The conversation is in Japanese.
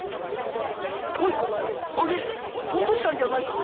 おいあれお敏さんじゃないか？